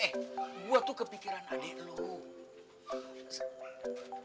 eh gue tuh kepikiran ada eno